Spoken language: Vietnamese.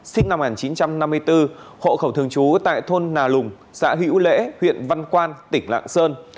sinh năm một nghìn chín trăm năm mươi bốn hộ khẩu thường trú tại thôn nà lùng xã hữu lễ huyện văn quan tỉnh lạng sơn